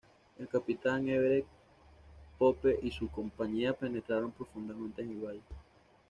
El capitán Everett P. Pope y su compañía penetraron profundamente en el valle.